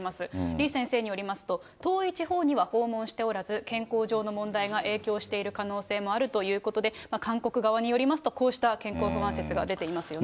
李先生によりますと、遠い地方には訪問しておらず、健康上の問題が影響している可能性もあるということで、韓国側によりますと、こうした健康不安説が出ていますよね。